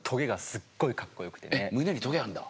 むねにトゲあるんだ？